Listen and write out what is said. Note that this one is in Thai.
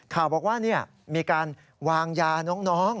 ข่าวบอกว่ามีการวางยาน้อง